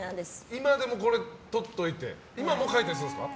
今でもこれをとっておいて今も書いたりするんですか？